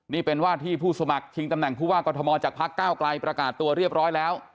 นี่เป็นว่าที่ผู้สมัครชิงตำแหน่งผู้ว่ากรทมจากพักเก้าไกลประกาศตัวเรียบร้อยแล้ว